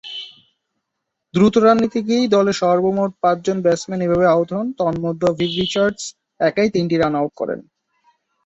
দ্রুত রান নিতে গিয়েই দলের সর্বমোট পাঁচজন ব্যাটসম্যান এভাবে আউট হন; তন্মধ্যে ভিভ রিচার্ডস একাই তিনটি রান আউট করেন।